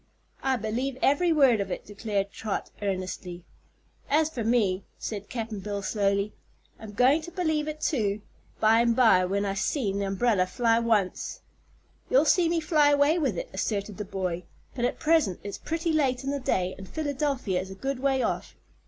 "I believe ev'ry word of it!" declared Trot, earnestly. "As fer me," said Cap'n Bill slowly, "I'm goin' to believe it, too, by'm'by, when I've seen the umbrel fly once." "You'll see me fly away with it," asserted the boy. "But at present it's pretty late in the day, and Philadelphia is a good way off.